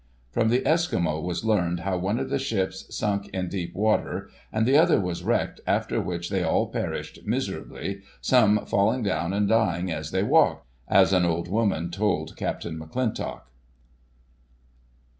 From the Eskimo was learned how one of the ships sunk in deep water, and the other was wrecked, after which they all perished miserably, some "falling down and dying as they walked," as an old woman told Capt. McClintock.